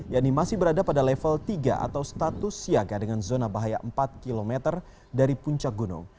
yang ini masih berada pada level tiga atau status siaga dengan zona bahaya empat km dari puncak gunung